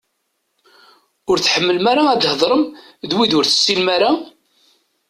Ur tḥemmlem ara ad theḍṛem d wid ur tessinem ara?